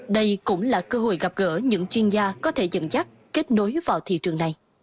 đây cũng là cơ hội gặp gỡ những chuyên gia có thể dẫn dắt kết nối vào thị trường này